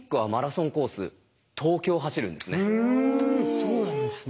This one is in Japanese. そうなんですね。